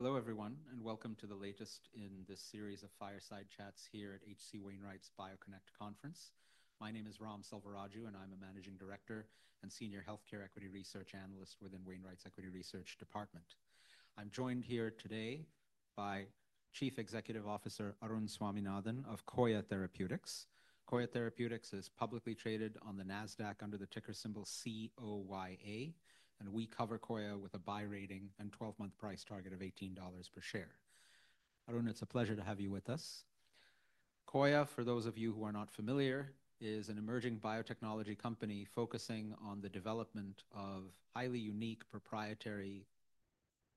Hello everyone, and welcome to the latest in this series of Fireside Chats here at H.C. Wainwright's BioConnect Conference. My name is Ram Selvaraju, and I'm a Managing Director and Senior Healthcare Equity Research Analyst within Wainwright's Equity Research Department. I'm joined here today by Chief Executive Officer Arun Swaminathan of Coya Therapeutics. Coya Therapeutics is publicly traded on the NASDAQ under the ticker symbol COYA, and we cover Coya with a buy rating and 12-month price target of $18 per share. Arun, it's a pleasure to have you with us. Coya, for those of you who are not familiar, is an emerging biotechnology company focusing on the development of highly unique proprietary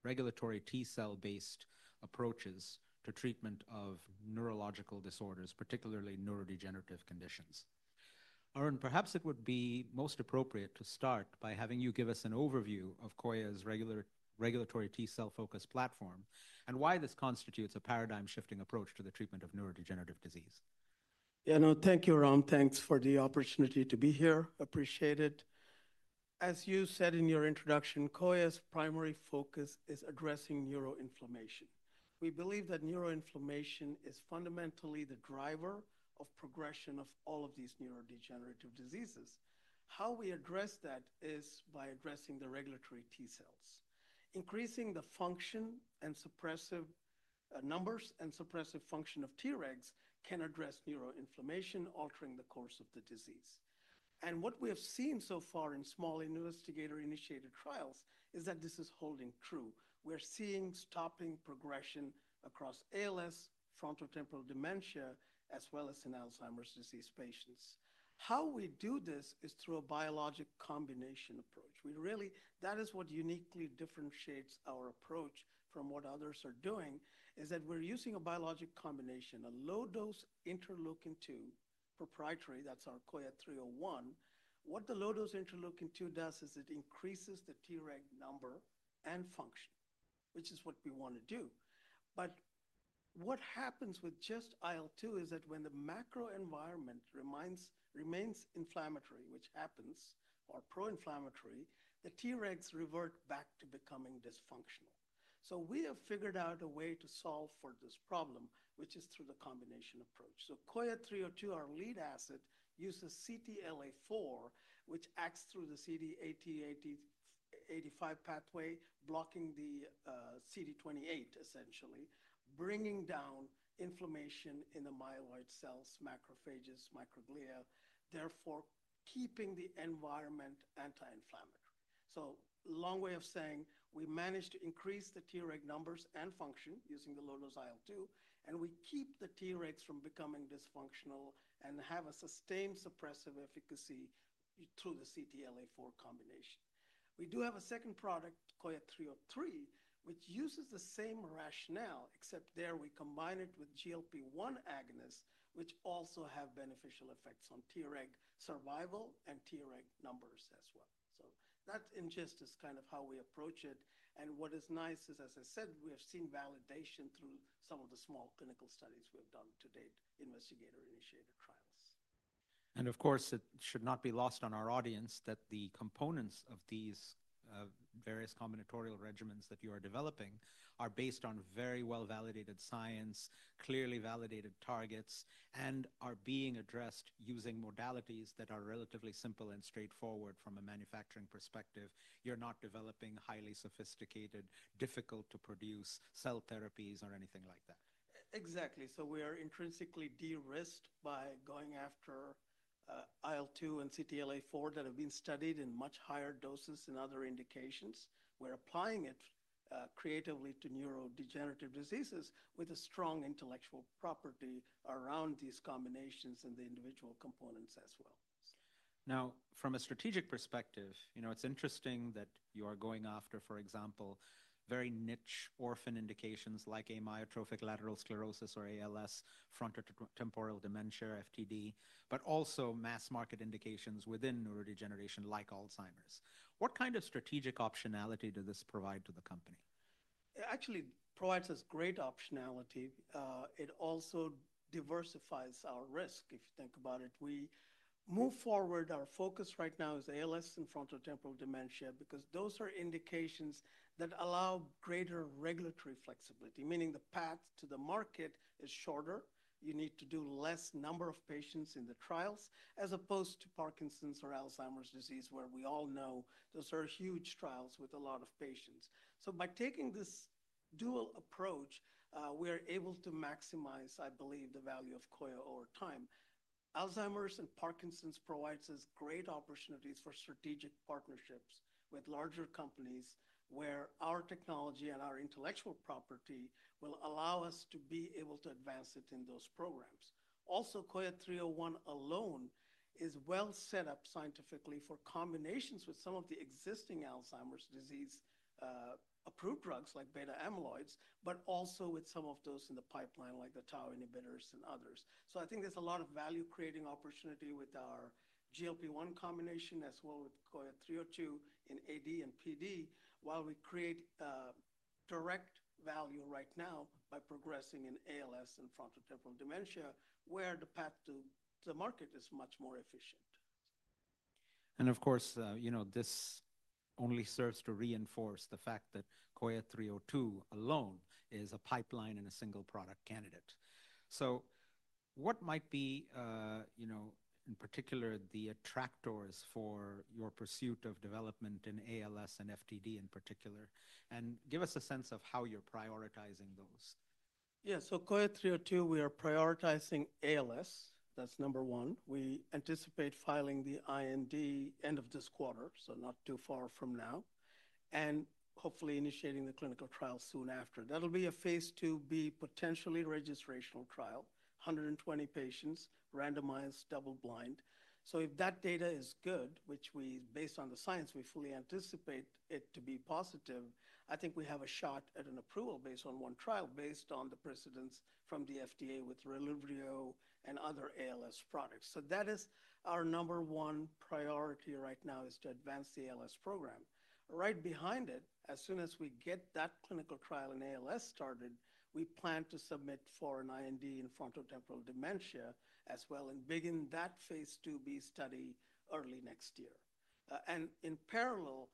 regulatory T-cell-based approaches to treatment of neurological disorders, particularly neurodegenerative conditions. Arun, perhaps it would be most appropriate to start by having you give us an overview of Coya's regulatory T-cell-focused platform and why this constitutes a paradigm-shifting approach to the treatment of neurodegenerative disease. Yeah, no, thank you, Ram. Thanks for the opportunity to be here. Appreciate it. As you said in your introduction, Coya's primary focus is addressing neuroinflammation. We believe that neuroinflammation is fundamentally the driver of progression of all of these neurodegenerative diseases. How we address that is by addressing the regulatory T-cells. Increasing the function and suppressive numbers and suppressive function of Tregs can address neuroinflammation, altering the course of the disease. What we have seen so far in small investigator-initiated trials is that this is holding true. We're seeing stopping progression across ALS, frontotemporal dementia, as well as in Alzheimer's disease patients. How we do this is through a biologic combination approach. That is what uniquely differentiates our approach from what others are doing, is that we're using a biologic combination, a low-dose interleukin-2 proprietary, that's our Coya 301. What the low-dose interleukin-2 does is it increases the Treg number and function, which is what we want to do. What happens with just IL-2 is that when the macro environment remains inflammatory, which happens, or pro-inflammatory, the Tregs revert back to becoming dysfunctional. We have figured out a way to solve for this problem, which is through the combination approach. Coya 302, our lead asset, uses CTLA4, which acts through the CD80/CD86 pathway, blocking the CD28 essentially, bringing down inflammation in the myeloid cells, macrophages, microglia, therefore keeping the environment anti-inflammatory. Long way of saying, we managed to increase the Treg numbers and function using the low-dose IL-2, and we keep the Tregs from becoming dysfunctional and have a sustained suppressive efficacy through the CTLA4 combination. We do have a second product, Coya 303, which uses the same rationale, except there we combine it with GLP-1 agonists, which also have beneficial effects on Treg survival and Treg numbers as well. That in essence is kind of how we approach it. What is nice is, as I said, we have seen validation through some of the small clinical studies we have done to date, investigator-initiated trials. Of course, it should not be lost on our audience that the components of these various combinatorial regimens that you are developing are based on very well-validated science, clearly validated targets, and are being addressed using modalities that are relatively simple and straightforward from a manufacturing perspective. You're not developing highly sophisticated, difficult-to-produce cell therapies or anything like that. Exactly. We are intrinsically de-risked by going after IL-2 and CTLA4 that have been studied in much higher doses in other indications. We're applying it creatively to neurodegenerative diseases with a strong intellectual property around these combinations and the individual components as well. Now, from a strategic perspective, you know, it's interesting that you are going after, for example, very niche orphan indications like amyotrophic lateral sclerosis or ALS, frontotemporal dementia, FTD, but also mass market indications within neurodegeneration like Alzheimer's. What kind of strategic optionality does this provide to the company? Actually, it provides us great optionality. It also diversifies our risk, if you think about it. We move forward. Our focus right now is ALS and frontotemporal dementia because those are indications that allow greater regulatory flexibility, meaning the path to the market is shorter. You need to do less number of patients in the trials as opposed to Parkinson's or Alzheimer's disease, where we all know those are huge trials with a lot of patients. By taking this dual approach, we are able to maximize, I believe, the value of Coya over time. Alzheimer's and Parkinson's provides us great opportunities for strategic partnerships with larger companies where our technology and our intellectual property will allow us to be able to advance it in those programs. Also, Coya 301 alone is well set up scientifically for combinations with some of the existing Alzheimer's disease-approved drugs like beta amyloids, but also with some of those in the pipeline like the Tau inhibitors and others. I think there's a lot of value-creating opportunity with our GLP-1 combination as well with Coya 302 in AD and PD while we create direct value right now by progressing in ALS and frontotemporal dementia, where the path to the market is much more efficient. Of course, you know, this only serves to reinforce the fact that Coya 302 alone is a pipeline and a single product candidate. What might be, you know, in particular, the attractors for your pursuit of development in ALS and FTD in particular, and give us a sense of how you're prioritizing those? Yeah, so Coya 302, we are prioritizing ALS. That's number one. We anticipate filing the IND end of this quarter, so not too far from now, and hopefully initiating the clinical trial soon after. That'll be a phase II-B potentially registrational trial, 120 patients, randomized double-blind. If that data is good, which we, based on the science, we fully anticipate it to be positive, I think we have a shot at an approval based on one trial based on the precedence from the FDA with Relyvrio and other ALS products. That is our number one priority right now is to advance the ALS program. Right behind it, as soon as we get that clinical trial in ALS started, we plan to submit for an IND in frontotemporal dementia as well and begin that phase II-B study early next year. In parallel,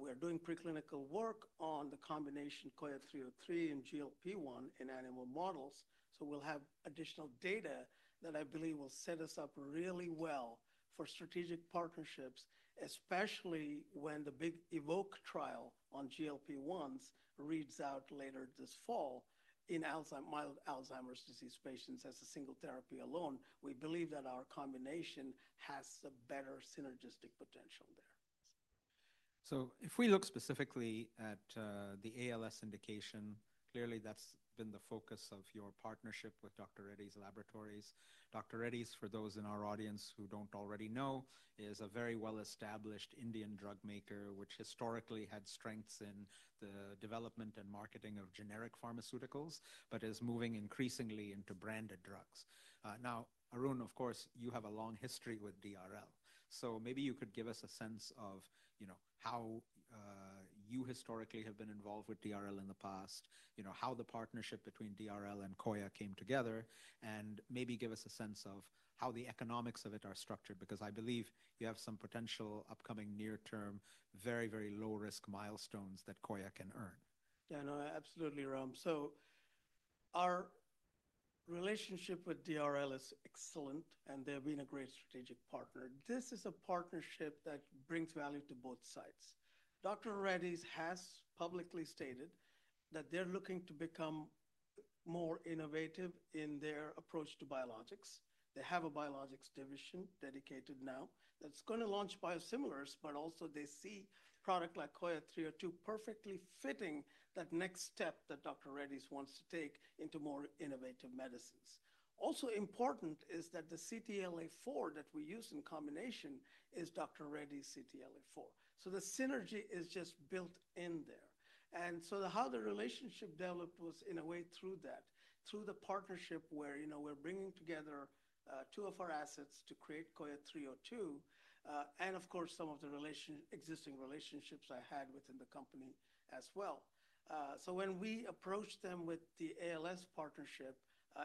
we're doing preclinical work on the combination Coya 303 and GLP-1 in animal models. We'll have additional data that I believe will set us up really well for strategic partnerships, especially when the big EVOKE trial on GLP-1s reads out later this fall in mild Alzheimer's disease patients as a single therapy alone. We believe that our combination has a better synergistic potential there. If we look specifically at the ALS indication, clearly that's been the focus of your partnership with Dr. Reddy's Laboratories. Dr. Reddy's, for those in our audience who don't already know, is a very well-established Indian drug maker, which historically had strengths in the development and marketing of generic pharmaceuticals, but is moving increasingly into branded drugs. Now, Arun, of course, you have a long history with Dr. Reddy's. Maybe you could give us a sense of, you know, how you historically have been involved with Dr. Reddy's in the past, how the partnership between Dr. Reddy's and Coya came together, and maybe give us a sense of how the economics of it are structured, because I believe you have some potential upcoming near-term, very, very low-risk milestones that Coya can earn. Yeah, no, absolutely, Ram. Our relationship with Dr. Reddy's is excellent, and they've been a great strategic partner. This is a partnership that brings value to both sides. Dr. Reddy's has publicly stated that they're looking to become more innovative in their approach to biologics. They have a biologics division dedicated now that's going to launch biosimilars, but also they see a product like Coya 302 perfectly fitting that next step that Dr. Reddy's wants to take into more innovative medicines. Also important is that the CTLA4 that we use in combination is Dr. Reddy's CTLA4. The synergy is just built in there. How the relationship developed was in a way through that, through the partnership where, you know, we're bringing together two of our assets to create Coya 302, and of course, some of the existing relationships I had within the company as well. When we approached them with the ALS partnership,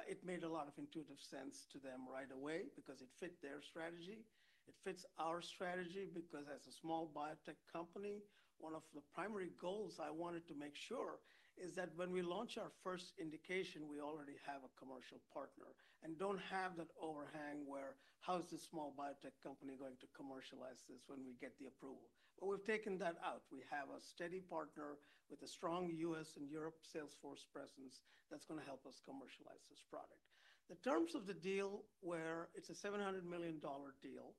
it made a lot of intuitive sense to them right away because it fit their strategy. It fits our strategy because as a small biotech company, one of the primary goals I wanted to make sure is that when we launch our first indication, we already have a commercial partner and do not have that overhang where, how is this small biotech company going to commercialize this when we get the approval? We have taken that out. We have a steady partner with a strong U.S. and Europe salesforce presence that is going to help us commercialize this product. The terms of the deal, where it is a $700 million deal,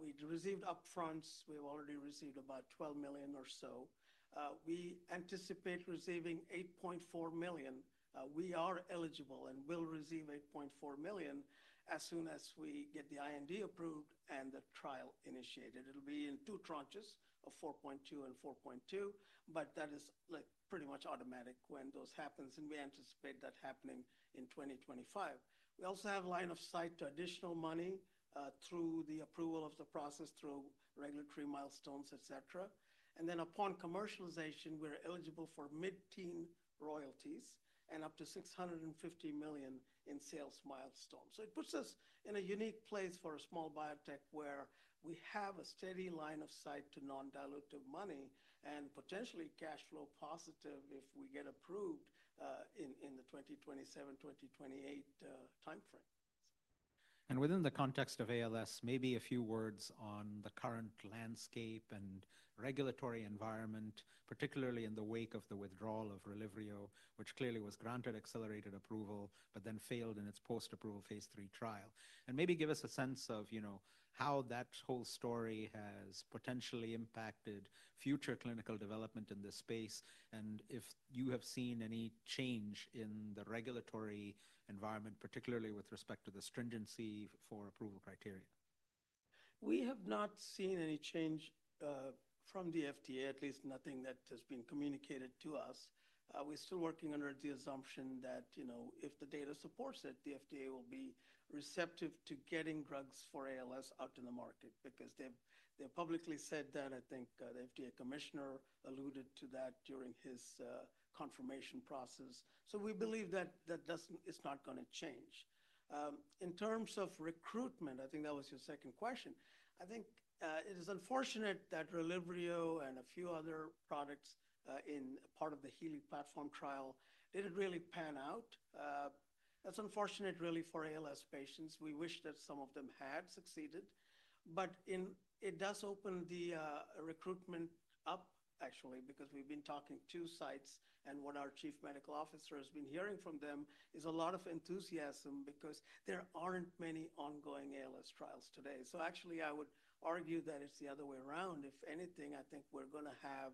we received upfronts. We have already received about $12 million or so. We anticipate receiving $8.4 million. We are eligible and will receive $8.4 million as soon as we get the IND approved and the trial initiated. It'll be in two tranches of $4.2 million and $4.2 million, but that is pretty much automatic when those happen, and we anticipate that happening in 2025. We also have a line of sight to additional money through the approval of the process, through regulatory milestones, et cetera. Upon commercialization, we're eligible for mid-teen royalties and up to $650 million in sales milestones. It puts us in a unique place for a small biotech where we have a steady line of sight to non-dilutive money and potentially cash flow positive if we get approved in the 2027, 2028 timeframe. Within the context of ALS, maybe a few words on the current landscape and regulatory environment, particularly in the wake of the withdrawal of Relyvrio, which clearly was granted accelerated approval, but then failed in its post-approval phase III trial. Maybe give us a sense of, you know, how that whole story has potentially impacted future clinical development in this space and if you have seen any change in the regulatory environment, particularly with respect to the stringency for approval criteria. We have not seen any change from the FDA, at least nothing that has been communicated to us. We're still working under the assumption that, you know, if the data supports it, the FDA will be receptive to getting drugs for ALS out in the market because they've publicly said that. I think the FDA commissioner alluded to that during his confirmation process. We believe that that is not going to change. In terms of recruitment, I think that was your second question. I think it is unfortunate that Relyvrio and a few other products in part of the Healy platform trial didn't really pan out. That's unfortunate really for ALS patients. We wish that some of them had succeeded, but it does open the recruitment up actually because we've been talking to sites and what our Chief Medical Officer has been hearing from them is a lot of enthusiasm because there aren't many ongoing ALS trials today. Actually, I would argue that it's the other way around. If anything, I think we're going to have,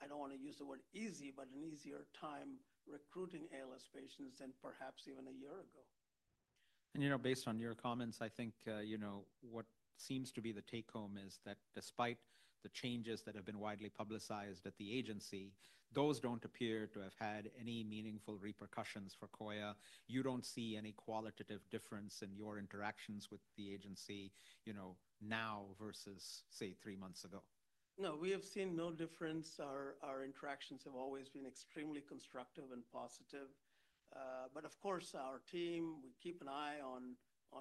I don't want to use the word easy, but an easier time recruiting ALS patients than perhaps even a year ago. You know, based on your comments, I think, you know, what seems to be the take home is that despite the changes that have been widely publicized at the agency, those do not appear to have had any meaningful repercussions for Coya. You do not see any qualitative difference in your interactions with the agency, you know, now versus, say, three months ago. No, we have seen no difference. Our interactions have always been extremely constructive and positive. Of course, our team, we keep an eye on,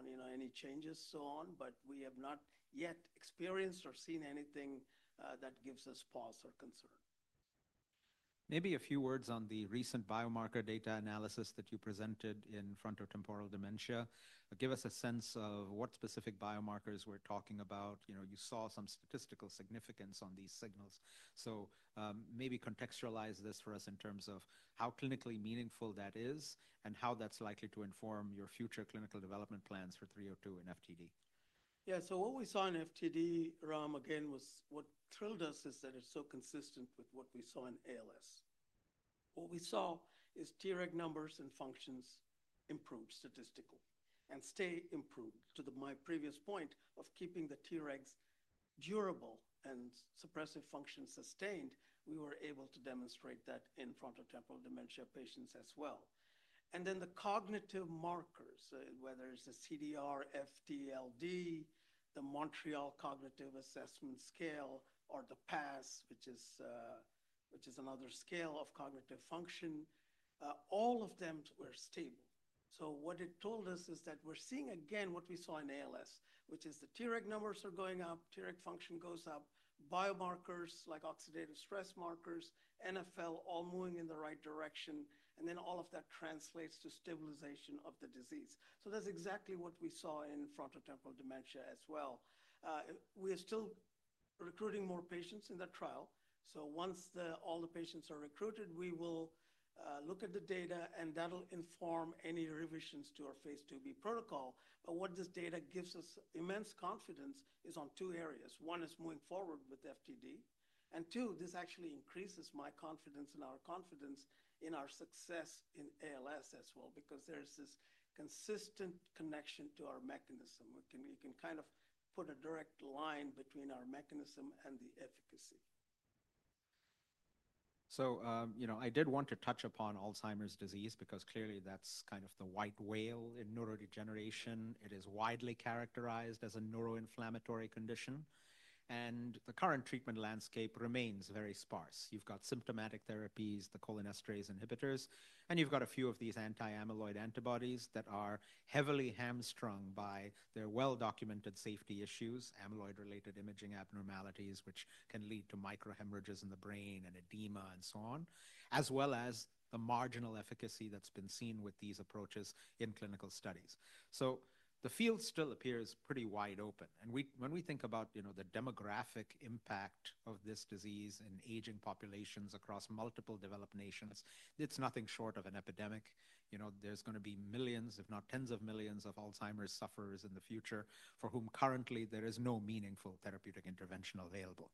you know, any changes, so on, but we have not yet experienced or seen anything that gives us pause or concern. Maybe a few words on the recent biomarker data analysis that you presented in frontotemporal dementia. Give us a sense of what specific biomarkers we're talking about. You know, you saw some statistical significance on these signals. Maybe contextualize this for us in terms of how clinically meaningful that is and how that's likely to inform your future clinical development plans for 302 and FTD. Yeah, so what we saw in FTD, Ram, again, was what thrilled us is that it's so consistent with what we saw in ALS. What we saw is Treg numbers and functions improved statistically and stay improved to my previous point of keeping the Tregs durable and suppressive function sustained. We were able to demonstrate that in frontotemporal dementia patients as well. The cognitive markers, whether it's a CDR, FTLD, the Montreal Cognitive Assessment Scale, or the PASS, which is another scale of cognitive function, all of them were stable. What it told us is that we're seeing again what we saw in ALS, which is the Treg numbers are going up, Treg function goes up, biomarkers like oxidative stress markers, NfL all moving in the right direction, and then all of that translates to stabilization of the disease. That's exactly what we saw in frontotemporal dementia as well. We are still recruiting more patients in the trial. Once all the patients are recruited, we will look at the data and that'll inform any revisions to our phase II-B protocol. What this data gives us immense confidence in is two areas. One is moving forward with FTD, and two, this actually increases my confidence and our confidence in our success in ALS as well, because there's this consistent connection to our mechanism. We can kind of put a direct line between our mechanism and the efficacy. So, you know, I did want to touch upon Alzheimer's disease because clearly that's kind of the white whale in neurodegeneration. It is widely characterized as a neuroinflammatory condition, and the current treatment landscape remains very sparse. You've got symptomatic therapies, the cholinesterase inhibitors, and you've got a few of these anti-amyloid antibodies that are heavily hamstrung by their well-documented safety issues, amyloid-related imaging abnormalities, which can lead to microhemorrhages in the brain and edema and so on, as well as the marginal efficacy that's been seen with these approaches in clinical studies. The field still appears pretty wide open. And when we think about, you know, the demographic impact of this disease in aging populations across multiple developed nations, it's nothing short of an epidemic. You know, there's going to be millions, if not tens of millions of Alzheimer's sufferers in the future for whom currently there is no meaningful therapeutic intervention available.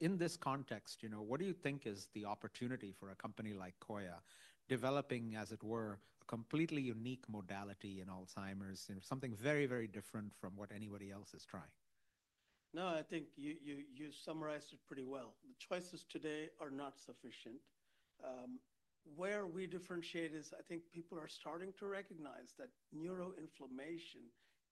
In this context, you know, what do you think is the opportunity for a company like Coya developing, as it were, a completely unique modality in Alzheimer's, you know, something very, very different from what anybody else is trying? No, I think you summarized it pretty well. The choices today are not sufficient. Where we differentiate is I think people are starting to recognize that neuroinflammation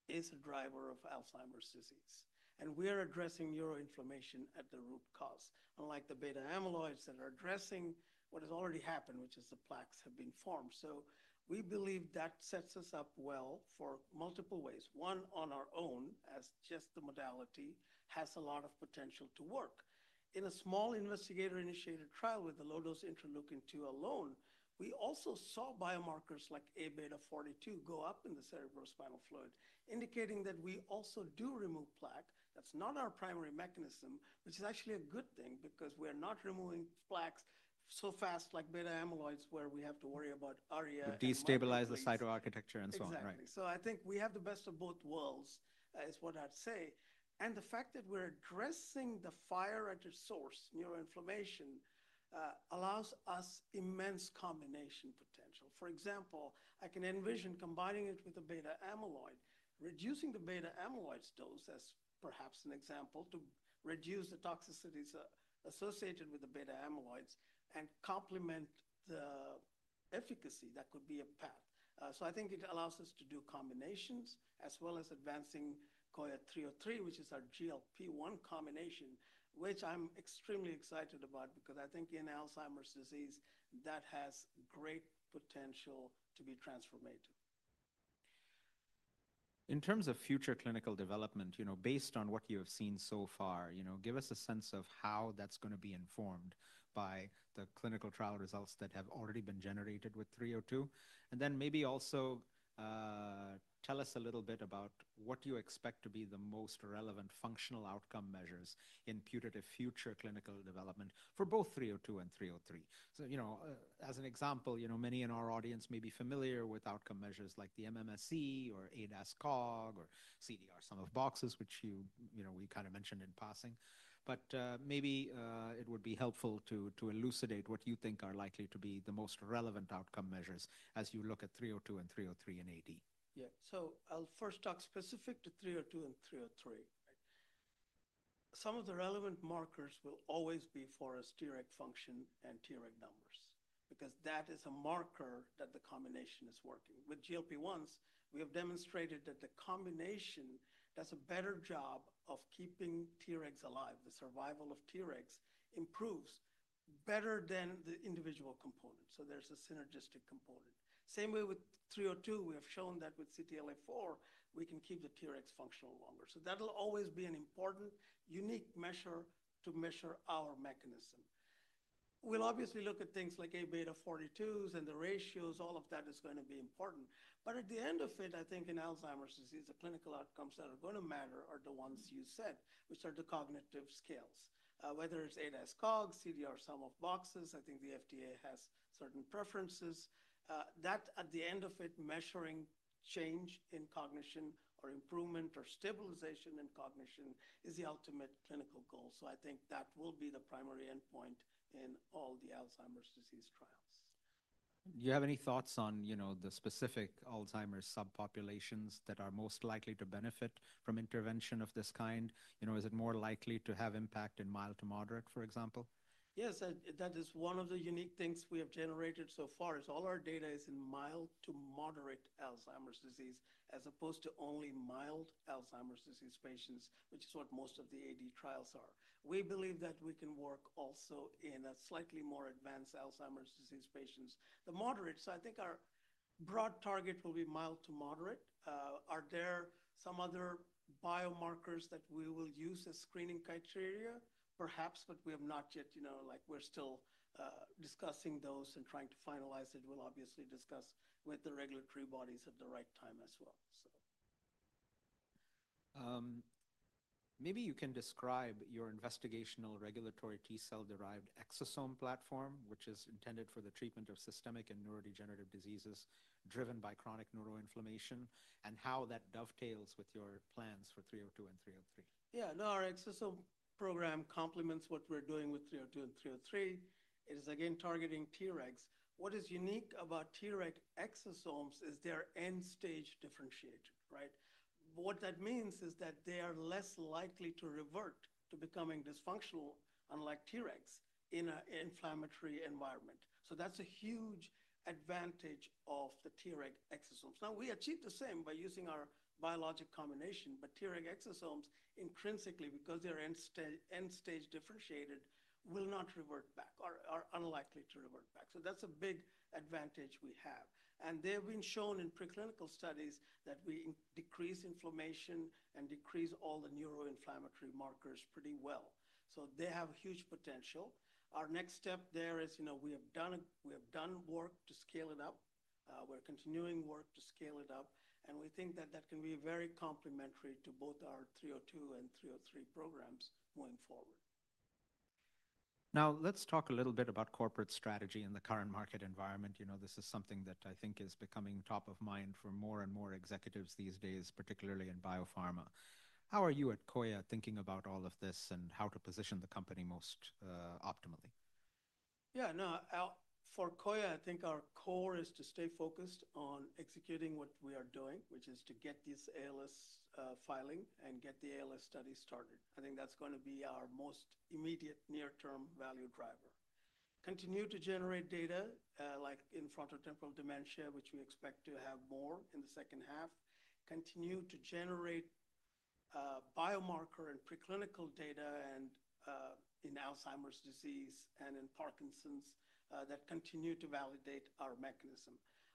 is a driver of Alzheimer's disease, and we are addressing neuroinflammation at the root cause, unlike the beta-amyloids that are addressing what has already happened, which is the plaques have been formed. We believe that sets us up well for multiple ways. One, on our own, as just the modality has a lot of potential to work. In a small investigator-initiated trial with the low-dose interleukin-2 alone, we also saw biomarkers like Aβ42 go up in the cerebrospinal fluid, indicating that we also do remove plaque. That's not our primary mechanism, which is actually a good thing because we are not removing plaques so fast like beta-amyloids where we have to worry about ARIA. Destabilize the cytoarchitecture and so on. Exactly. I think we have the best of both worlds is what I'd say. The fact that we're addressing the fire at its source, neuroinflammation, allows us immense combination potential. For example, I can envision combining it with a beta-amyloid, reducing the beta-amyloid dose as perhaps an example to reduce the toxicities associated with the beta-amyloids and complement the efficacy. That could be a path. I think it allows us to do combinations as well as advancing Coya 303, which is our GLP-1 combination, which I'm extremely excited about because I think in Alzheimer's disease that has great potential to be transformative. In terms of future clinical development, you know, based on what you have seen so far, you know, give us a sense of how that's going to be informed by the clinical trial results that have already been generated with 302, and then maybe also tell us a little bit about what you expect to be the most relevant functional outcome measures in putative future clinical development for both 302 and 303. You know, as an example, you know, many in our audience may be familiar with outcome measures like the MMSE or ADAS-Cog or CDR, some of boxes, which you, you know, we kind of mentioned in passing, but maybe it would be helpful to elucidate what you think are likely to be the most relevant outcome measures as you look at 302 and 303 in AD. Yeah. I'll first talk specific to 302 and 303. Some of the relevant markers will always be for us Treg function and Treg numbers because that is a marker that the combination is working. With GLP-1s, we have demonstrated that the combination does a better job of keeping Tregs alive. The survival of Tregs improves better than the individual component. There is a synergistic component. Same way with 302, we have shown that with CTLA4, we can keep the Tregs functional longer. That will always be an important unique measure to measure our mechanism. We'll obviously look at things like Aβ42s and the ratios. All of that is going to be important. At the end of it, I think in Alzheimer's disease, the clinical outcomes that are going to matter are the ones you said, which are the cognitive scales, whether it's ADAS-Cog, CDR, some of boxes. I think the FDA has certain preferences that at the end of it, measuring change in cognition or improvement or stabilization in cognition is the ultimate clinical goal. I think that will be the primary endpoint in all the Alzheimer's disease trials. Do you have any thoughts on, you know, the specific Alzheimer's subpopulations that are most likely to benefit from intervention of this kind? You know, is it more likely to have impact in mild to moderate, for example? Yes, that is one of the unique things we have generated so far is all our data is in mild to moderate Alzheimer's disease as opposed to only mild Alzheimer's disease patients, which is what most of the AD trials are. We believe that we can work also in a slightly more advanced Alzheimer's disease patients, the moderate. I think our broad target will be mild to moderate. Are there some other biomarkers that we will use as screening criteria? Perhaps, but we have not yet, you know, like we're still discussing those and trying to finalize it. We'll obviously discuss with the regulatory bodies at the right time as well. Maybe you can describe your investigational regulatory T-cell derived exosome platform, which is intended for the treatment of systemic and neurodegenerative diseases driven by chronic neuroinflammation and how that dovetails with your plans for 302 and 303. Yeah, no, our exosome program complements what we're doing with 302 and 303. It is again targeting Tregs. What is unique about Treg exosomes is they're end-stage differentiated, right? What that means is that they are less likely to revert to becoming dysfunctional, unlike Tregs in an inflammatory environment. That is a huge advantage of the Treg exosomes. Now we achieve the same by using our biologic combination, but Treg exosomes intrinsically, because they are end-stage differentiated, will not revert back or are unlikely to revert back. That is a big advantage we have. They have been shown in preclinical studies that we decrease inflammation and decrease all the neuroinflammatory markers pretty well. They have huge potential. Our next step there is, you know, we have done work to scale it up. We're continuing work to scale it up, and we think that that can be very complementary to both our 302 and 303 programs moving forward. Now let's talk a little bit about corporate strategy in the current market environment. You know, this is something that I think is becoming top of mind for more and more executives these days, particularly in biopharma. How are you at Coya thinking about all of this and how to position the company most optimally? Yeah, no, for Coya, I think our core is to stay focused on executing what we are doing, which is to get this ALS filing and get the ALS study started. I think that's going to be our most immediate near-term value driver. Continue to generate data like in frontotemporal dementia, which we expect to have more in the second half. Continue to generate biomarker and preclinical data in Alzheimer's disease and in Parkinson's that continue to validate our mechanism.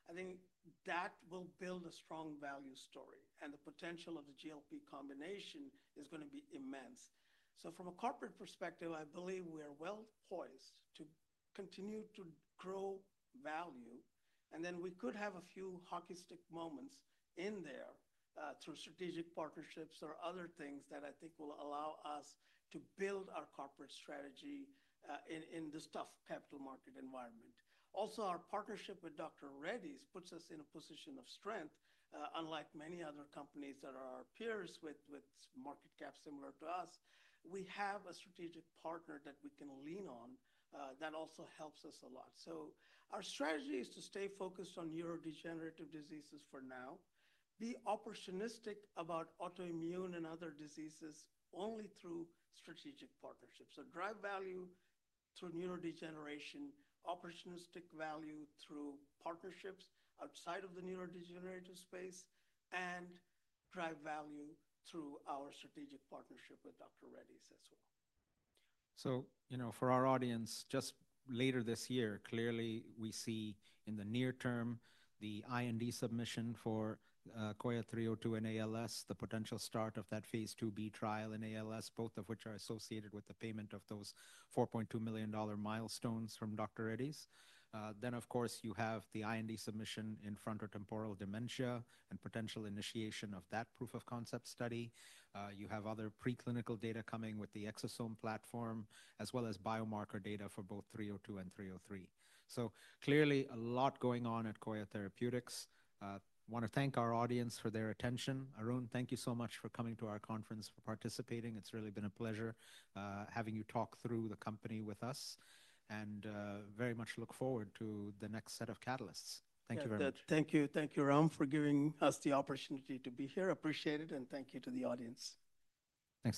I think that will build a strong value story, and the potential of the GLP combination is going to be immense. From a corporate perspective, I believe we are well poised to continue to grow value, and then we could have a few hockey stick moments in there through strategic partnerships or other things that I think will allow us to build our corporate strategy in this tough capital market environment. Also, our partnership with Dr. Reddy's puts us in a position of strength, unlike many other companies that are our peers with market cap similar to us. We have a strategic partner that we can lean on that also helps us a lot. Our strategy is to stay focused on neurodegenerative diseases for now, be opportunistic about autoimmune and other diseases only through strategic partnerships. Drive value through neurodegeneration, opportunistic value through partnerships outside of the neurodegenerative space, and drive value through our strategic partnership with Dr. Reddy's as well. So, you know, for our audience, just later this year, clearly we see in the near term the IND submission for Coya 302 in ALS, the potential start of that phase II-B trial in ALS, both of which are associated with the payment of those $4.2 million milestones from Dr. Reddy's. Then, of course, you have the IND submission in frontotemporal dementia and potential initiation of that proof of concept study. You have other preclinical data coming with the exosome platform, as well as biomarker data for both 302 and 303. Clearly a lot going on at Coya Therapeutics. I want to thank our audience for their attention. Arun, thank you so much for coming to our conference, for participating. It's really been a pleasure having you talk through the company with us, and very much look forward to the next set of catalysts. Thank you very much. Thank you. Thank you, Arun, for giving us the opportunity to be here. Appreciate it, and thank you to the audience. Thanks for.